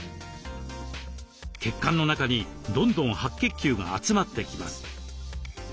血管の中にどんどん白血球が集まってきます。